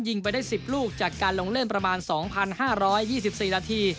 ไปได้๑๐ลูกจากการลงเล่นประมาณ๒๕๒๔นาที